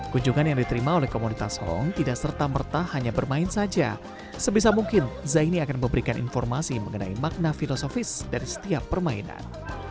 kunjungan yang diterima oleh komunitas hong tidak serta merta hanya bermain saja sebisa mungkin zaini akan memberikan informasi mengenai makna filosofis dari setiap permainan